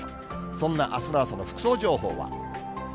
そんなあすの朝の服装情報は。